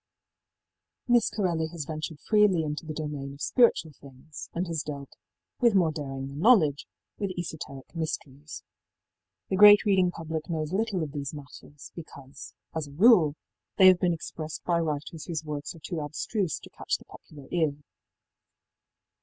Miss Corelli has ventured freely into the domain of spiritual things, and has dealt, with more daring than knowledge, with esoteric mysteries. The great reading public knows little of these matters, because, as a rule, they have been expressed by writers whose works are too abstruse to catch the popular ear.